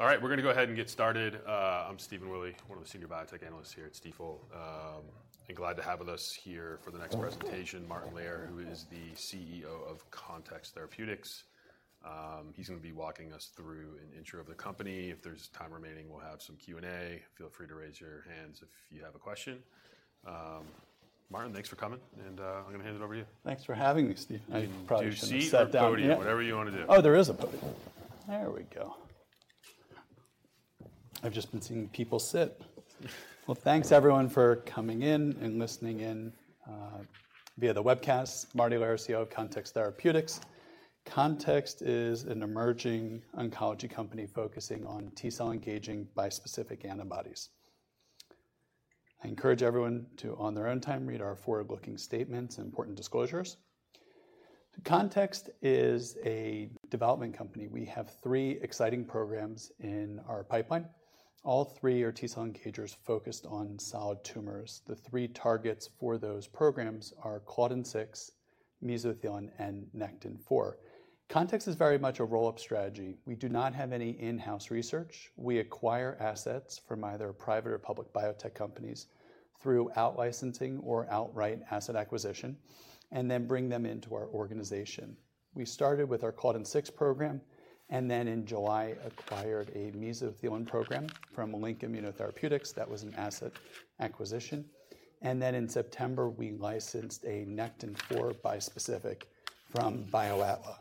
All right, we're going to go ahead and get started. I'm Stephen Willey, one of the senior biotech analysts here at Stifel. I'm glad to have with us here for the next presentation, Martin Lehr, who is the CEO of Context Therapeutics. He's going to be walking us through an intro of the company. If there's time remaining, we'll have some Q&A. Feel free to raise your hands if you have a question. Martin, thanks for coming, and I'm going to hand it over to you. Thanks for having me, Steve. I'm proud to sit down. There's a podium, whatever you want to do. Oh, there is a podium. There we go. I've just been seeing people sit. Well, thanks, everyone, for coming in and listening in via the webcast. Martin Lehr, Context Therapeutics. Context is an emerging oncology company focusing on T-cell engaging bispecific antibodies. I encourage everyone to, on their own time, read our forward-looking statements and important disclosures. Context is a development company. We have three exciting programs in our pipeline. All three are T-cell engagers focused on solid tumors. The three targets for those programs are CLDN6, mesothelin, and Nectin-4. Context is very much a roll-up strategy. We do not have any in-house research. We acquire assets from either private or public biotech companies through outlicensing or outright asset acquisition, and then bring them into our organization. We started with our CLDN6 program, and then in July acquired a mesothelin program from Link Immunotherapeutics. That was an asset acquisition. Then in September, we licensed a Nectin-4 bispecific from BioAtla,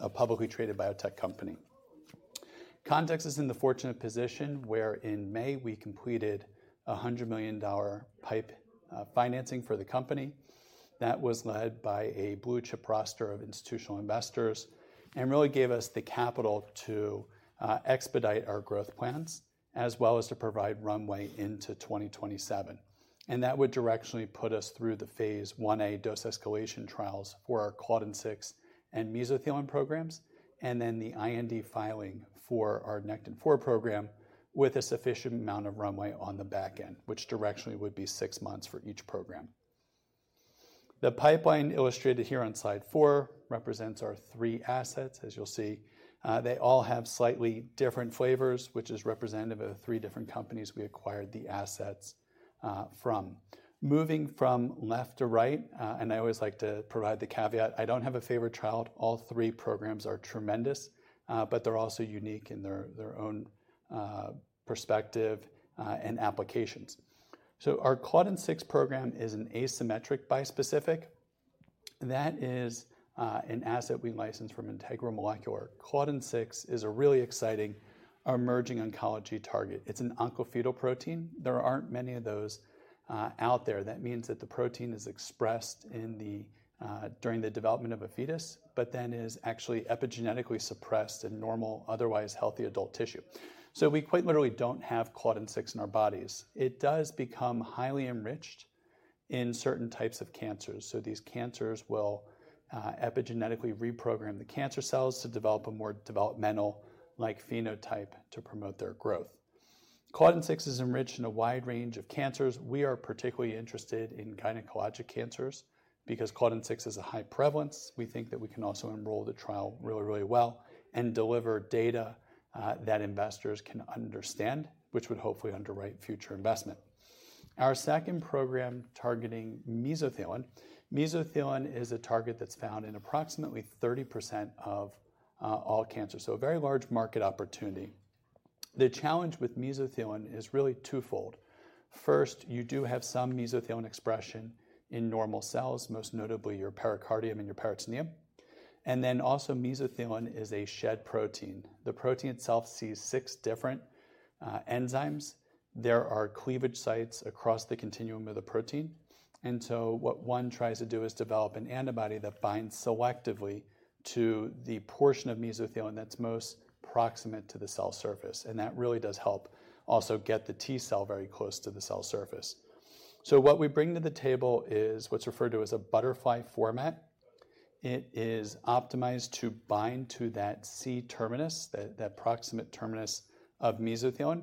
a publicly traded biotech company. Context is in the fortunate position where in May we completed a $100 million PIPE financing for the company. That was led by a blue chip roster of institutional investors and really gave us the capital to expedite our growth plans, as well as to provide runway into 2027. That would directionally put us through the Phase 1a dose escalation trials for our Claudin 6 and mesothelin programs, and then the IND filing for our Nectin-4 program with a sufficient amount of runway on the back end, which directionally would be six months for each program. The pipeline illustrated here on slide four represents our three assets, as you'll see. They all have slightly different flavors, which is representative of three different companies we acquired the assets from. Moving from left to right, and I always like to provide the caveat, I don't have a favorite child. All three programs are tremendous, but they're also unique in their own perspective and applications. So our CLDN6 program is an asymmetric bispecific. That is an asset we license from Integral Molecular. CLDN6 is a really exciting emerging oncology target. It's an oncofetal protein. There aren't many of those out there. That means that the protein is expressed during the development of a fetus, but then is actually epigenetically suppressed in normal, otherwise healthy adult tissue. So we quite literally don't have CLDN6 in our bodies. It does become highly enriched in certain types of cancers. So these cancers will epigenetically reprogram the cancer cells to develop a more developmental-like phenotype to promote their growth. CLDN6 is enriched in a wide range of cancers. We are particularly interested in gynecologic cancers because CLDN6 has high prevalence. We think that we can also enroll the trial really, really well and deliver data that investors can understand, which would hopefully underwrite future investment. Our second program targeting mesothelin. Mesothelin is a target that's found in approximately 30% of all cancers, so a very large market opportunity. The challenge with mesothelin is really twofold. First, you do have some mesothelin expression in normal cells, most notably your pericardium and your peritoneum. Then also mesothelin is a shed protein. The protein itself is cleaved by six different enzymes. There are cleavage sites across the continuum of the protein. So what one tries to do is develop an antibody that binds selectively to the portion of mesothelin that's most proximate to the cell surface. And that really does help also get the T-cell very close to the cell surface. So what we bring to the table is what's referred to as a butterfly format. It is optimized to bind to that C-terminus, that proximate terminus of mesothelin.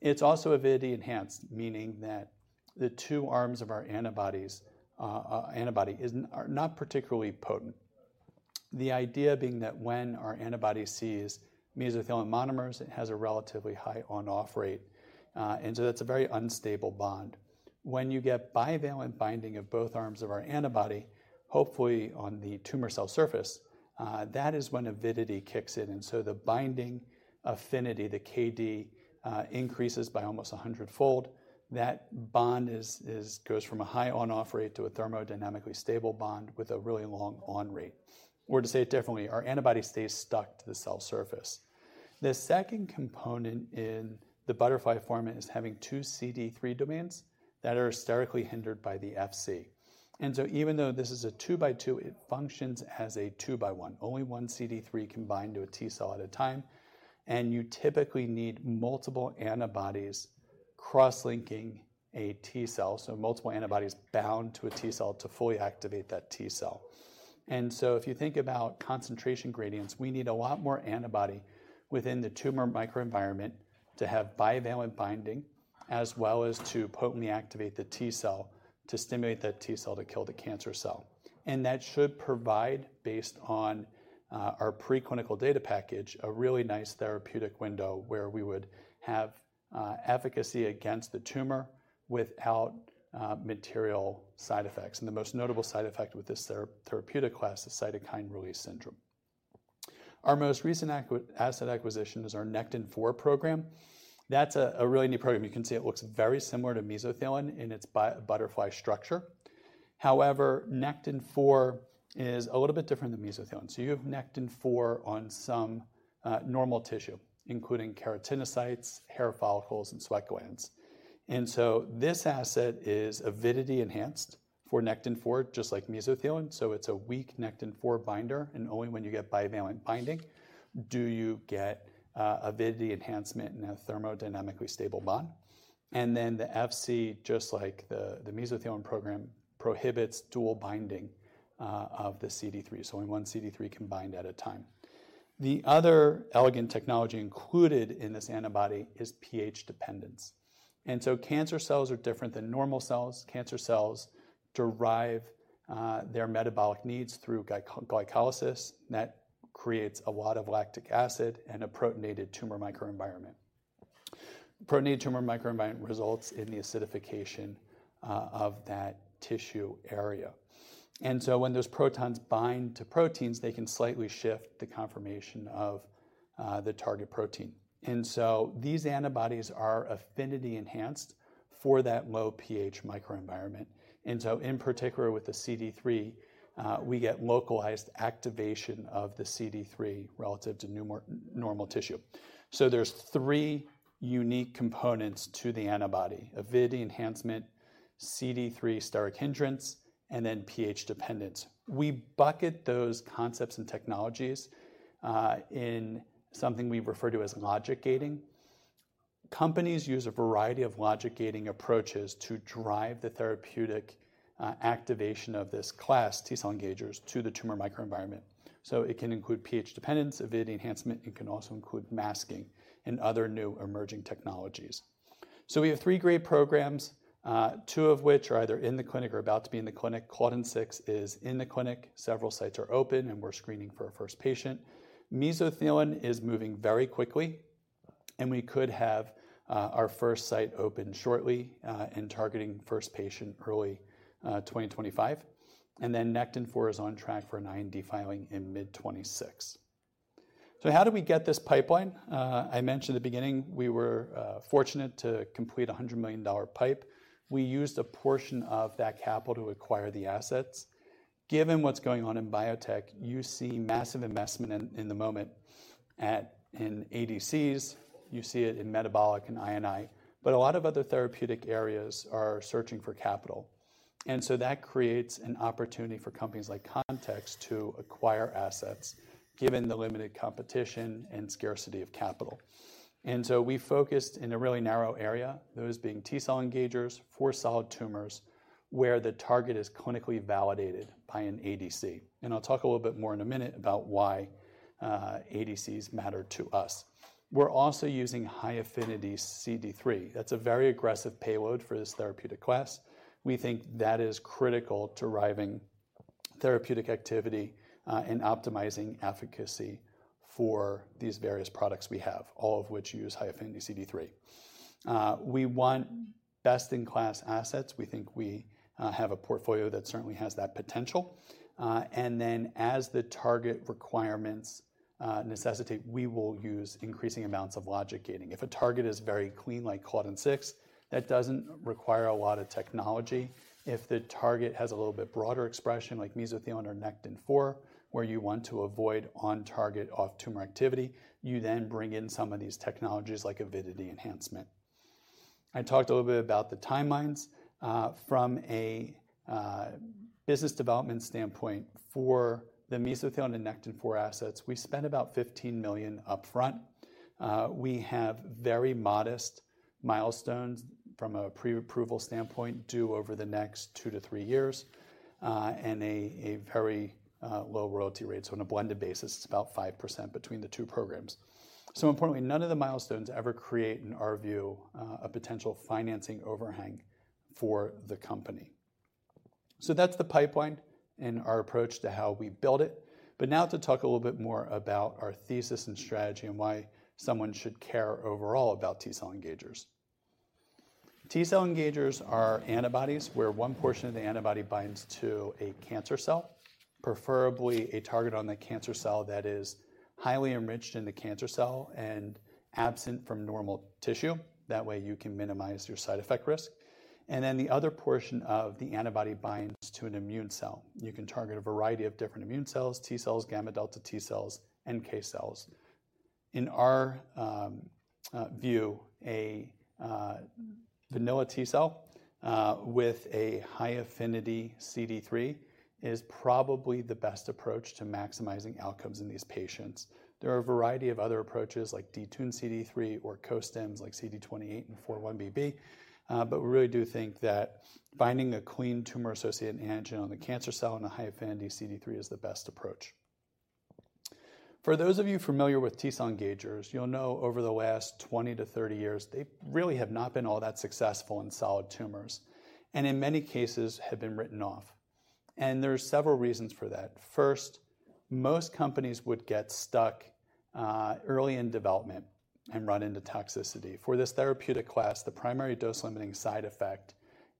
It's also avidity-enhanced, meaning that the two arms of our antibody are not particularly potent. The idea being that when our antibody sees mesothelin monomers, it has a relatively high on-off rate. And so that's a very unstable bond. When you get bivalent binding of both arms of our antibody, hopefully on the tumor cell surface, that is when avidity kicks in. And so the binding affinity, the KD, increases by almost a hundredfold. That bond goes from a high on-off rate to a thermodynamically stable bond with a really long on-rate. Or to say it differently, our antibody stays stuck to the cell surface. The second component in the butterfly format is having two CD3 domains that are sterically hindered by the Fc. And so even though this is a two by two, it functions as a two by one, only one CD3 binds to a T-cell at a time. And you typically need multiple antibodies cross-linking a T-cell, so multiple antibodies bound to a T-cell to fully activate that T-cell. And so if you think about concentration gradients, we need a lot more antibody within the tumor microenvironment to have bivalent binding, as well as to potently activate the T-cell to stimulate that T-cell to kill the cancer cell. And that should provide, based on our pre-clinical data package, a really nice therapeutic window where we would have efficacy against the tumor without material side effects. And the most notable side effect with this therapeutic class is cytokine release syndrome. Our most recent asset acquisition is our Nectin-4 program. That's a really new program. You can see it looks very similar to mesothelin in its butterfly structure. However, Nectin-4 is a little bit different than mesothelin, so you have Nectin-4 on some normal tissue, including keratinocytes, hair follicles, and placenta, and so this asset is avidity-enhanced for Nectin-4, just like mesothelin, so it's a weak Nectin-4 binder, and only when you get bivalent binding do you get avidity enhancement in a thermodynamically stable bond, and then the Fc, just like the mesothelin program, prohibits dual binding of the CD3, so only one CD3 can bind at a time. The other elegant technology included in this antibody is pH dependence, and so cancer cells are different than normal cells. Cancer cells derive their metabolic needs through glycolysis. That creates a lot of lactic acid and a protonated tumor microenvironment. Protonated tumor microenvironment results in the acidification of that tissue area. And so when those protons bind to proteins, they can slightly shift the conformation of the target protein. And so these antibodies are affinity-enhanced for that low pH microenvironment. And so in particular, with the CD3, we get localized activation of the CD3 relative to normal tissue. So there's three unique components to the antibody: avidity enhancement, CD3 steric hindrance, and then pH dependence. We bucket those concepts and technologies in something we refer to as logic gating. Companies use a variety of logic gating approaches to drive the therapeutic activation of this class, T-cell engagers, to the tumor microenvironment. So it can include pH dependence, avidity enhancement, and can also include masking and other new emerging technologies. So we have three great programs, two of which are either in the clinic or about to be in the clinic. CLDN6 is in the clinic. Several sites are open, and we're screening for our first patient. Mesothelin is moving very quickly, and we could have our first site open shortly and targeting first patient early 2025. And then Nectin-4 is on track for an IND filing in mid-2026. So how do we get this pipeline? I mentioned at the beginning we were fortunate to complete a $100 million PIPE. We used a portion of that capital to acquire the assets. Given what's going on in biotech, you see massive investment in the moment in ADCs. You see it in metabolic and I&I, but a lot of other therapeutic areas are searching for capital. And so that creates an opportunity for companies like Context to acquire assets given the limited competition and scarcity of capital. And so we focused in a really narrow area, those being T-cell engagers for solid tumors where the target is clinically validated by an ADC. And I'll talk a little bit more in a minute about why ADCs matter to us. We're also using high affinity CD3. That's a very aggressive payload for this therapeutic class. We think that is critical to driving therapeutic activity and optimizing efficacy for these various products we have, all of which use high affinity CD3. We want best-in-class assets. We think we have a portfolio that certainly has that potential. And then as the target requirements necessitate, we will use increasing amounts of logic gating. If a target is very clean, like CLDN6, that doesn't require a lot of technology. If the target has a little bit broader expression, like mesothelin or Nectin-4, where you want to avoid on-target off-tumor activity, you then bring in some of these technologies like avidity enhancement. I talked a little bit about the timelines. From a business development standpoint for the mesothelin and Nectin-4 assets, we spent about $15 million upfront. We have very modest milestones from a pre-approval standpoint due over the next two to three years and a very low royalty rate. So on a blended basis, it's about 5% between the two programs. So importantly, none of the milestones ever create, in our view, a potential financing overhang for the company. So that's the pipeline and our approach to how we build it. But now to talk a little bit more about our thesis and strategy and why someone should care overall about T-cell engagers. T-cell engagers are antibodies where one portion of the antibody binds to a cancer cell, preferably a target on the cancer cell that is highly enriched in the cancer cell and absent from normal tissue. That way you can minimize your side effect risk, and then the other portion of the antibody binds to an immune cell. You can target a variety of different immune cells, T-cells, gamma delta T-cells, and NK cells. In our view, a vanilla T-cell with a high affinity CD3 is probably the best approach to maximizing outcomes in these patients. There are a variety of other approaches like detuned CD3 or co-stims like CD28 and 4-1BB, but we really do think that binding a clean tumor-associated antigen on the cancer cell and a high affinity CD3 is the best approach. For those of you familiar with T-cell engagers, you'll know over the last 20 to 30 years, they really have not been all that successful in solid tumors and in many cases have been written off. And there are several reasons for that. First, most companies would get stuck early in development and run into toxicity. For this therapeutic class, the primary dose-limiting side effect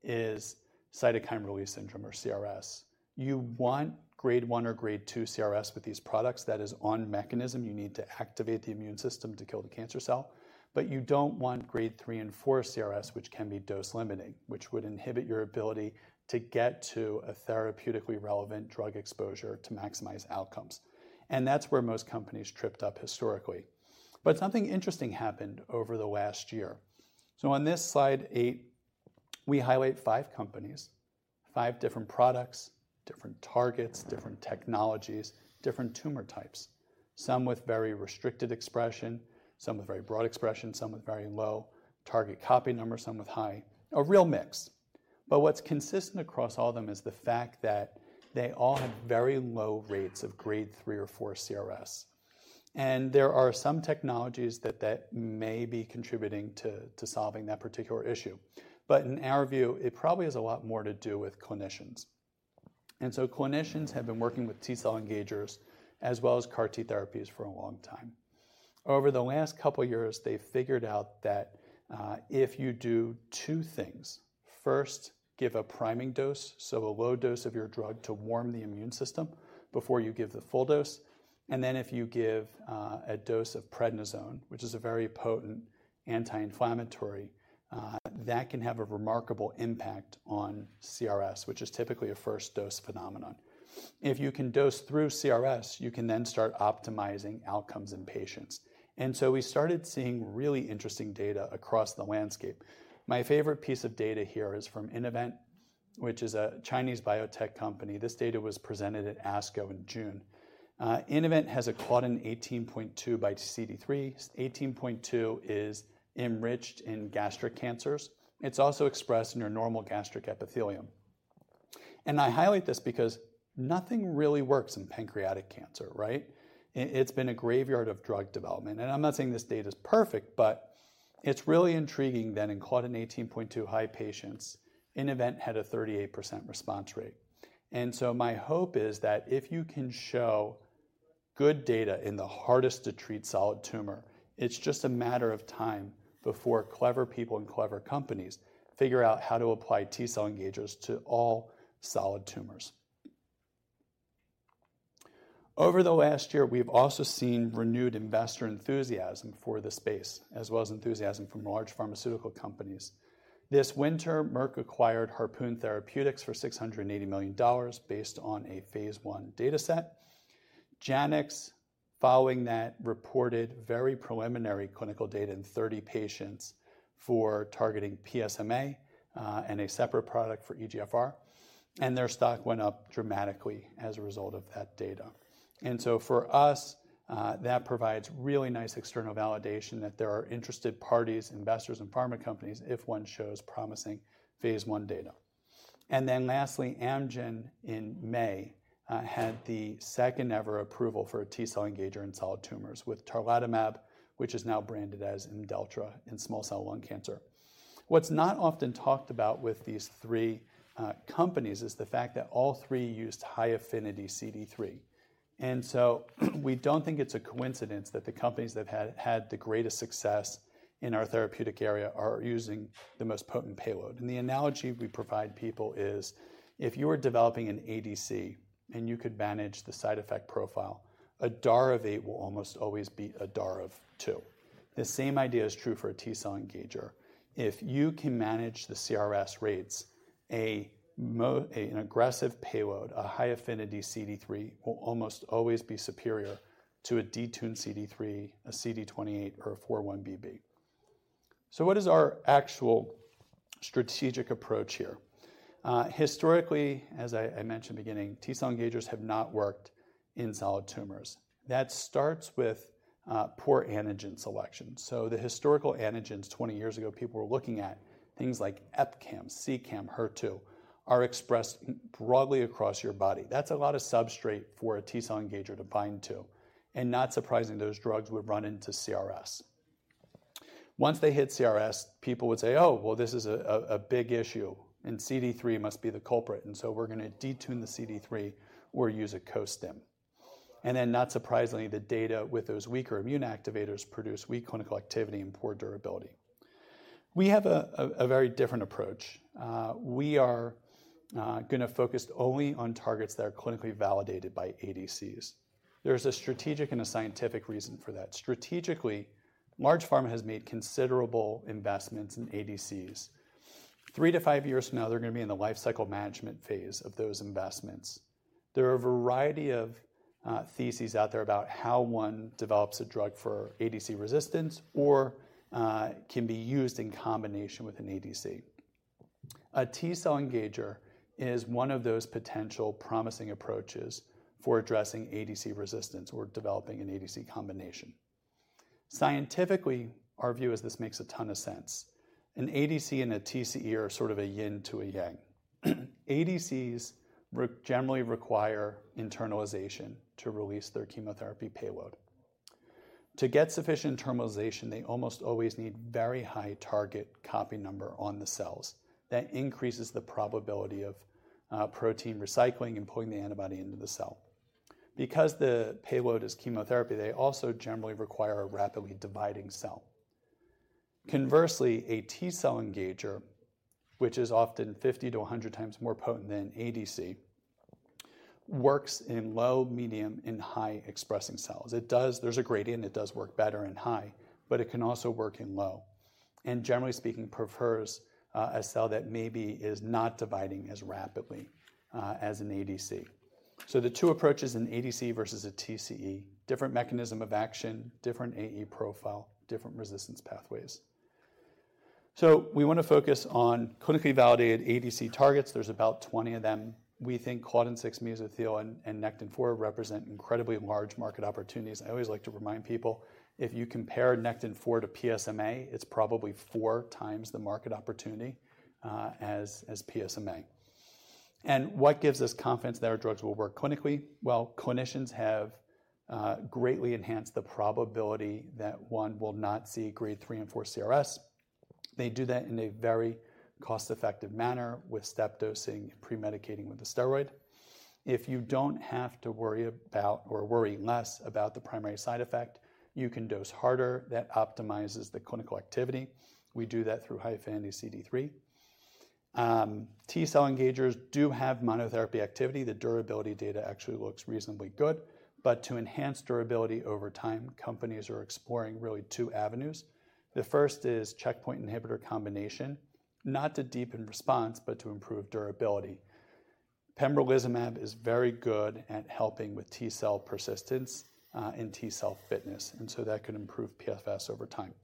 is cytokine release syndrome or CRS. You want grade one or grade two CRS with these products. That is on mechanism. You need to activate the immune system to kill the cancer cell. But you don't want grade three and four CRS, which can be dose-limiting, which would inhibit your ability to get to a therapeutically relevant drug exposure to maximize outcomes. And that's where most companies tripped up historically. But something interesting happened over the last year. On this slide eight, we highlight five companies, five different products, different targets, different technologies, different tumor types. Some with very restricted expression, some with very broad expression, some with very low target copy number, some with high. A real mix. But what's consistent across all of them is the fact that they all have very low rates of grade three or four CRS. And there are some technologies that may be contributing to solving that particular issue. But in our view, it probably has a lot more to do with clinicians. And so clinicians have been working with T-cell engagers as well as CAR T therapies for a long time. Over the last couple of years, they figured out that if you do two things, first, give a priming dose, so a low dose of your drug to warm the immune system before you give the full dose. Then if you give a dose of prednisone, which is a very potent anti-inflammatory, that can have a remarkable impact on CRS, which is typically a first dose phenomenon. If you can dose through CRS, you can then start optimizing outcomes in patients. We started seeing really interesting data across the landscape. My favorite piece of data here is from Innovent, which is a Chinese biotech company. This data was presented at ASCO in June. Innovent has a Claudin 18.2 by CD3. 18.2 is enriched in gastric cancers. It's also expressed in your normal gastric epithelium. I highlight this because nothing really works in pancreatic cancer, right? It's been a graveyard of drug development. I'm not saying this data is perfect, but it's really intriguing that in Claudin 18.2 high patients, Innovent had a 38% response rate. My hope is that if you can show good data in the hardest-to-treat solid tumor, it's just a matter of time before clever people and clever companies figure out how to apply T-cell engagers to all solid tumors. Over the last year, we've also seen renewed investor enthusiasm for the space, as well as enthusiasm from large pharmaceutical companies. This winter, Merck acquired Harpoon Therapeutics for $680 million based on a phase 1 data set. Janux, following that, reported very preliminary clinical data in 30 patients for targeting PSMA and a separate product for EGFR. Their stock went up dramatically as a result of that data. For us, that provides really nice external validation that there are interested parties, investors, and pharma companies if one shows promising Phase 1 data. Lastly, Amgen in May had the second-ever approval for a T-cell engager in solid tumors with tarlatamab, which is now branded as Imdelltra in small cell lung cancer. What's not often talked about with these three companies is the fact that all three used high affinity CD3. And so we don't think it's a coincidence that the companies that have had the greatest success in our therapeutic area are using the most potent payload. And the analogy we provide people is if you were developing an ADC and you could manage the side effect profile, a DAR of eight will almost always beat a DAR of two. The same idea is true for a T-cell engager. If you can manage the CRS rates, an aggressive payload, a high affinity CD3 will almost always be superior to a detuned CD3, a CD28, or a 4-1BB. So what is our actual strategic approach here? Historically, as I mentioned in the beginning, T-cell engagers have not worked in solid tumors. That starts with poor antigen selection. So the historical antigens 20 years ago, people were looking at things like EpCAM, CEACAM, HER2 are expressed broadly across your body. That's a lot of substrate for a T-cell engager to bind to. And not surprising, those drugs would run into CRS. Once they hit CRS, people would say, "Oh, well, this is a big issue, and CD3 must be the culprit. And so we're going to detuned the CD3 or use a co-stim." And then not surprisingly, the data with those weaker immune activators produce weak clinical activity and poor durability. We have a very different approach. We are going to focus only on targets that are clinically validated by ADCs. There's a strategic and a scientific reason for that. Strategically, large pharma has made considerable investments in ADCs. Three to five years from now, they're going to be in the life cycle management phase of those investments. There are a variety of theses out there about how one develops a drug for ADC resistance or can be used in combination with an ADC. A T-cell engager is one of those potential promising approaches for addressing ADC resistance or developing an ADC combination. Scientifically, our view is this makes a ton of sense. An ADC and a TCE are sort of a yin to a yang. ADCs generally require internalization to release their chemotherapy payload. To get sufficient internalization, they almost always need very high target copy number on the cells. That increases the probability of protein recycling and pulling the antibody into the cell. Because the payload is chemotherapy, they also generally require a rapidly dividing cell. Conversely, a T-cell engager, which is often 50x to 100x more potent than ADC, works in low, medium, and high expressing cells. There's a gradient. It does work better in high, but it can also work in low. And generally speaking, prefers a cell that maybe is not dividing as rapidly as an ADC. So the two approaches in ADC versus a TCE, different mechanism of action, different AE profile, different resistance pathways. So we want to focus on clinically validated ADC targets. There's about 20 of them. We think Claudin 6, mesothelin, and Nectin-4 represent incredibly large market opportunities. I always like to remind people, if you compare Nectin-4 to PSMA, it's probably four times the market opportunity as PSMA. And what gives us confidence that our drugs will work clinically? Clinicians have greatly enhanced the probability that one will not see grade 3 and 4 CRS. They do that in a very cost-effective manner with step dosing, pre-medicating with a steroid. If you don't have to worry about or worry less about the primary side effect, you can dose harder. That optimizes the clinical activity. We do that through high affinity CD3. T-cell engagers do have monotherapy activity. The durability data actually looks reasonably good. But to enhance durability over time, companies are exploring really two avenues. The first is checkpoint inhibitor combination, not to deepen response, but to improve durability. Pembrolizumab is very good at helping with T-cell persistence and T-cell fitness. And so that can improve PFS over time.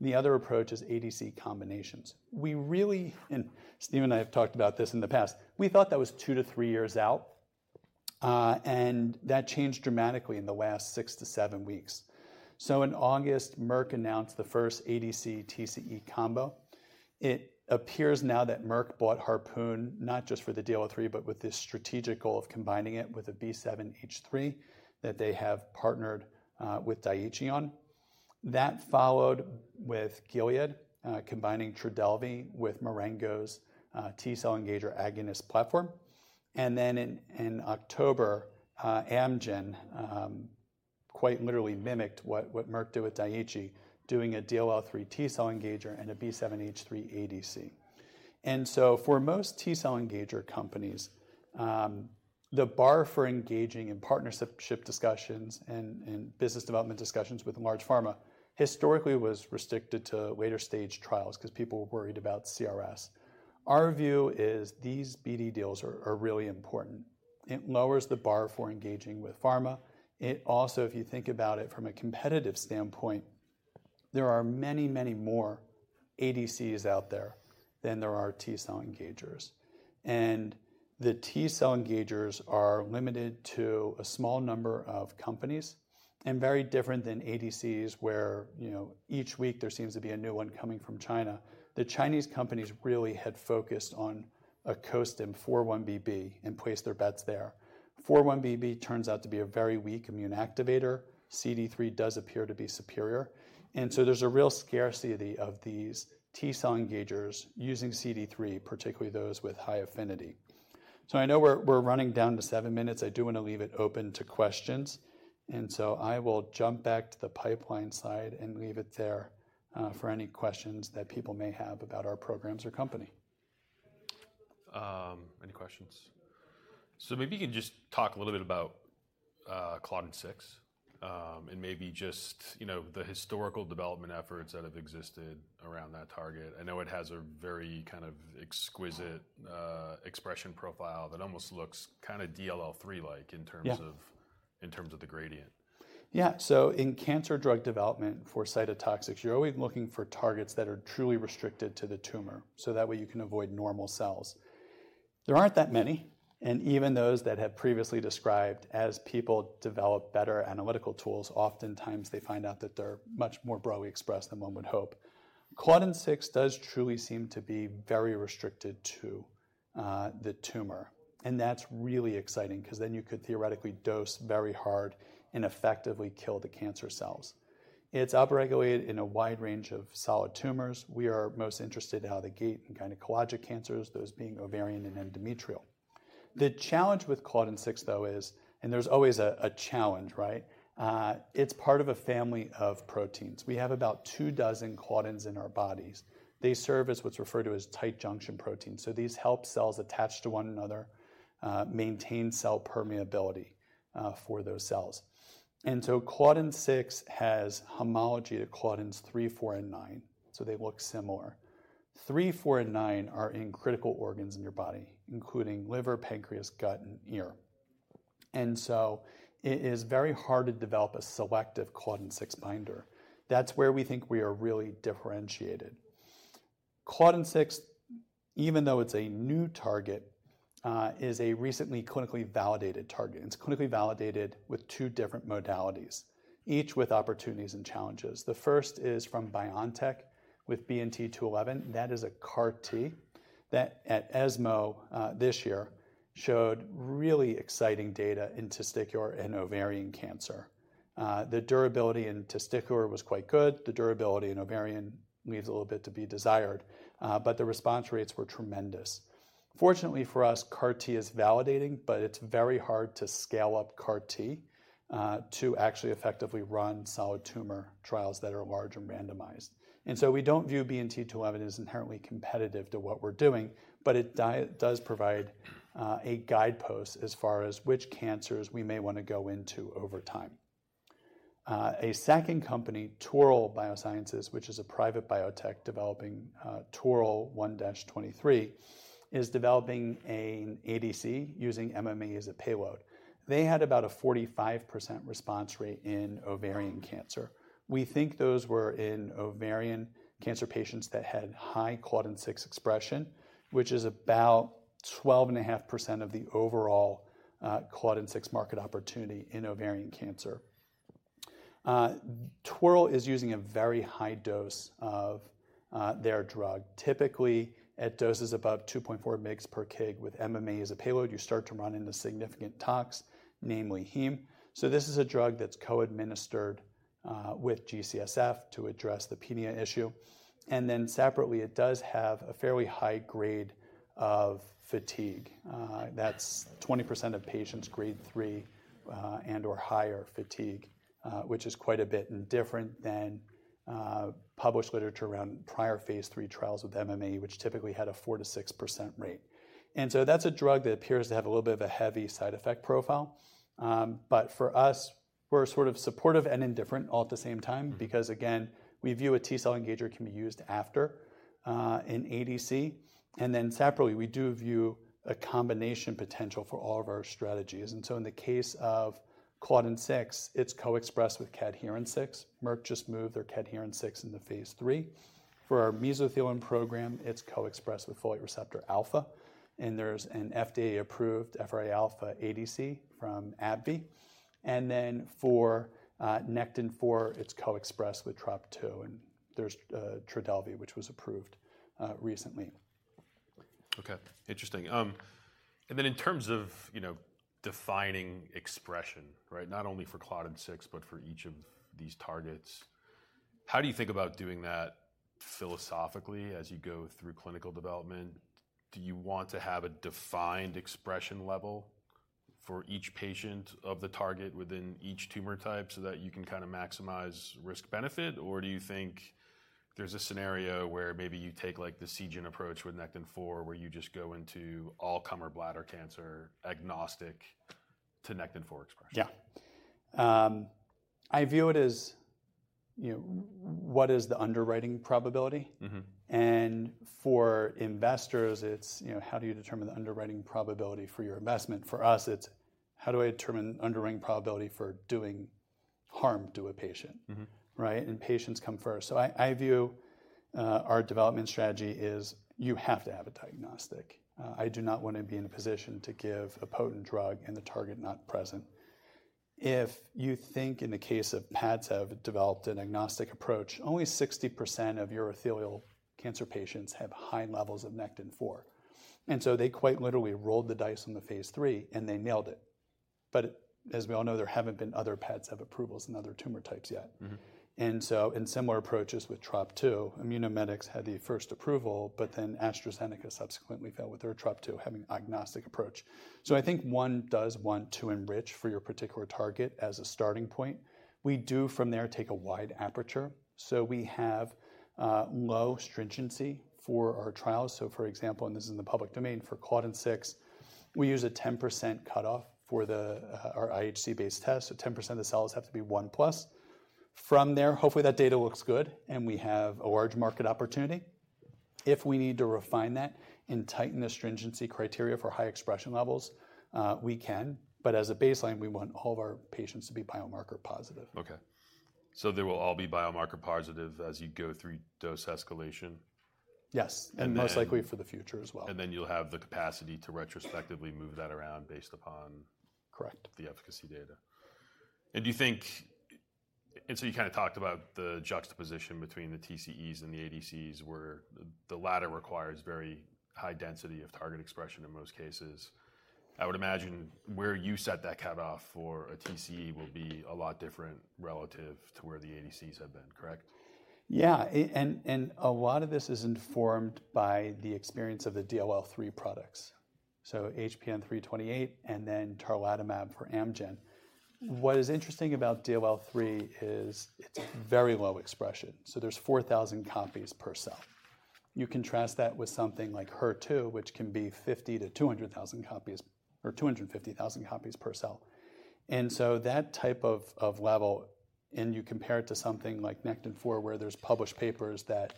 The other approach is ADC combinations. We really, and Steve and I have talked about this in the past, we thought that was two to three years out. That changed dramatically in the last six to seven weeks. So in August, Merck announced the first ADC-TCE combo. It appears now that Merck bought Harpoon, not just for the DLL3, but with this strategic goal of combining it with a B7-H3 that they have partnered with Daiichi Sankyo. That followed with Gilead combining Trodelvy with Marengo's T-cell engager agonist platform. And then in October, Amgen quite literally mimicked what Merck did with Daiichi Sankyo, doing a DLL3 T-cell engager and a B7-H3 ADC. And so for most T-cell engager companies, the bar for engaging in partnership discussions and business development discussions with large pharma historically was restricted to later stage trials because people were worried about CRS. Our view is these BD deals are really important. It lowers the bar for engaging with pharma. It also, if you think about it from a competitive standpoint, there are many, many more ADCs out there than there are T-cell engagers. And the T-cell engagers are limited to a small number of companies and very different than ADCs where each week there seems to be a new one coming from China. The Chinese companies really had focused on a co-stim 4-1BB and placed their bets there. 4-1BB turns out to be a very weak immune activator. CD3 does appear to be superior. And so there's a real scarcity of these T-cell engagers using CD3, particularly those with high affinity. So I know we're running down to seven minutes. I do want to leave it open to questions. And so I will jump back to the pipeline side and leave it there for any questions that people may have about our programs or company. Any questions? So maybe you can just talk a little bit about Claudin 6 and maybe just the historical development efforts that have existed around that target. I know it has a very kind of exquisite expression profile that almost looks kind of DLL3-like in terms of the gradient. Yeah. So in cancer drug development for cytotoxics, you're always looking for targets that are truly restricted to the tumor. So that way you can avoid normal cells. There aren't that many. And even those that have previously described as people develop better analytical tools, oftentimes they find out that they're much more broadly expressed than one would hope. Claudin 6 does truly seem to be very restricted to the tumor. And that's really exciting because then you could theoretically dose very hard and effectively kill the cancer cells. It's upregulated in a wide range of solid tumors. We are most interested in how they gate in gynecologic cancers, those being ovarian and endometrial. The challenge with Claudin 6, though, is, and there's always a challenge, right? It's part of a family of proteins. We have about two dozen Claudins in our bodies. They serve as what's referred to as tight junction proteins. So these help cells attach to one another, maintain cell permeability for those cells. And so Claudin 6 has homology to Claudins 3, 4, and 9. So they look similar. 3, 4, and 9 are in critical organs in your body, including liver, pancreas, gut, and ear. And so it is very hard to develop a selective Claudin 6 binder. That's where we think we are really differentiated. Claudin 6, even though it's a new target, is a recently clinically validated target. It's clinically validated with two different modalities, each with opportunities and challenges. The first is from BioNTech with BNT211. That is a CAR-T that at ESMO this year showed really exciting data in testicular and ovarian cancer. The durability in testicular was quite good. The durability in ovarian leaves a little bit to be desired. But the response rates were tremendous. Fortunately for us, CAR-T is validating, but it's very hard to scale up CAR-T to actually effectively run solid tumor trials that are large and randomized. And so we don't view BNT211 as inherently competitive to what we're doing, but it does provide a guidepost as far as which cancers we may want to go into over time. A second company, TORL BioTherapeutics, which is a private biotech developing TORL-1-23, is developing an ADC using MMAE as a payload. They had about a 45% response rate in ovarian cancer. We think those were in ovarian cancer patients that had high Claudin 6 expression, which is about 12.5% of the overall Claudin 6 market opportunity in ovarian cancer. TORL is using a very high dose of their drug, typically at doses above 2.4 mg/kg. With MMAE as a payload, you start to run into significant tox, namely hematologic. So this is a drug that's co-administered with G-CSF to address the neutropenia issue, and then separately, it does have a fairly high grade of fatigue. That's 20% of patients grade 3 and/or higher fatigue, which is quite a bit different than published literature around prior Phase 3 trials with MMAE, which typically had a 4%-6% rate, and so that's a drug that appears to have a little bit of a heavy side effect profile. But for us, we're sort of supportive and indifferent all at the same time because, again, we view a T-cell engager can be used after an ADC. And then separately, we do view a combination potential for all of our strategies. And so in the case of Claudin 6, it's co-expressed with Cadherin-6. Merck just moved their Cadherin-6 into phase three. For our mesothelin program, it's co-expressed with folate receptor alpha. And there's an FDA-approved FR alpha ADC from AbbVie. And then for Nectin-4, it's co-expressed with TROP2. And there's Trodelvy, which was approved recently. Okay. Interesting. And then in terms of defining expression, right, not only for Claudin 6, but for each of these targets, how do you think about doing that philosophically as you go through clinical development? Do you want to have a defined expression level for each patient of the target within each tumor type so that you can kind of maximize risk-benefit? Or do you think there's a scenario where maybe you take the Seagen approach with Nectin-4, where you just go into all urothelial or bladder cancer agnostic to Nectin-4 expression? Yeah. I view it as what is the underwriting probability. For investors, it's how do you determine the underwriting probability for your investment. For us, it's how do I determine underwriting probability for doing harm to a patient, right? Patients come first. Our development strategy is you have to have a diagnostic. I do not want to be in a position to give a potent drug and the target not present. If you think, in the case of Padcev, they have developed an agnostic approach. Only 60% of urothelial cancer patients have high levels of Nectin-4. And so they quite literally rolled the dice on the phase three and they nailed it. But as we all know, there haven't been other Padcev approvals in other tumor types yet. And so in similar approaches with TROP2, Immunomedics had the first approval, but then AstraZeneca subsequently failed with their TROP2 agnostic approach. I think one does want to enrich for your particular target as a starting point. We do from there take a wide aperture. So we have low stringency for our trials. So for example, and this is in the public domain for Claudin 6, we use a 10% cutoff for our IHC-based test. So 10% of the cells have to be 1 plus. From there, hopefully that data looks good and we have a large market opportunity. If we need to refine that and tighten the stringency criteria for high expression levels, we can. But as a baseline, we want all of our patients to be biomarker positive. Okay. So they will all be biomarker positive as you go through dose escalation? Yes. And most likely for the future as well. And then you'll have the capacity to retrospectively move that around based upon the efficacy data. And do you think, and so you kind of talked about the juxtaposition between the TCEs and the ADCs where the latter requires very high density of target expression in most cases. I would imagine where you set that cutoff for a TCE will be a lot different relative to where the ADCs have been, correct? Yeah. A lot of this is informed by the experience of the DLL3 products. So HPN328 and then tarlatamab for Amgen. What is interesting about DLL3 is it's very low expression. So there's 4,000 copies per cell. You contrast that with something like HER2, which can be 50-200,000 copies or 250,000 copies per cell. And so that type of level, and you compare it to something like Nectin-4 where there's published papers that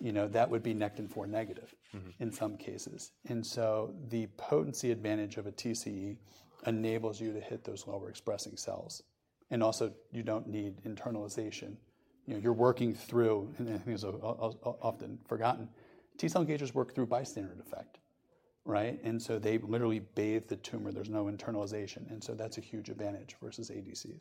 that would be Nectin-4 negative in some cases. And so the potency advantage of a TCE enables you to hit those lower expressing cells. And also you don't need internalization. You're working through, and I think it's often forgotten, T-cell engagers work through bystander effect, right? And so they literally bathe the tumor. There's no internalization. And so that's a huge advantage versus ADCs.